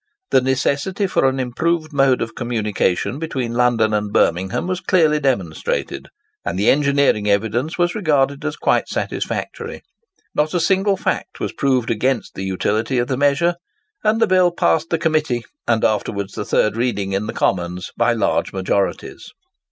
The necessity for an improved mode of communication between London and Birmingham was clearly demonstrated; and the engineering evidence was regarded as quite satisfactory. Not a single fact was proved against the utility of the measure, and the bill passed the Committee, and afterwards the third reading in the Commons, by large majorities.